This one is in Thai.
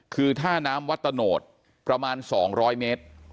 คือท่าน้ำวัตตโนตประมาณสองร้อยเมตร